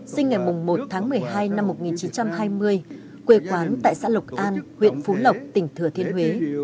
sinh ngày một tháng một mươi hai năm một nghìn chín trăm hai mươi quê quán tại xã lộc an huyện phú lộc tỉnh thừa thiên huế